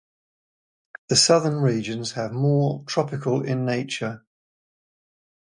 The southern regions are more tropical in nature and have Savannah and forests.